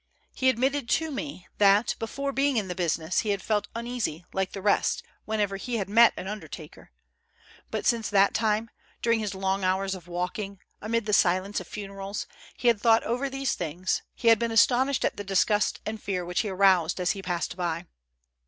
He admitted to me that, before being in the business, he had felt uneasy, like the rest, whenever he had met an undertaker. But, since that time, during his long hours ot' walking, amid the silence of funerals, he had thought over these things, he had been astonished at the disgust and fear which he aroused as he passed by.